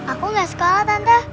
aku gak sekolah tante